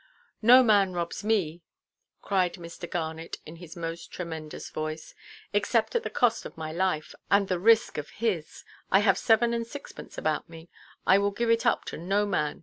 "No man robs me," cried Mr. Garnet, in his most tremendous voice, "except at the cost of my life, and the risk of his. I have seven and sixpence about me; I will give it up to no man.